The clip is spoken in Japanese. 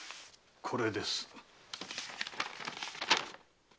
これです。